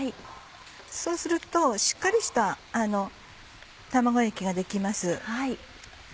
そうするとしっかりした卵液ができます。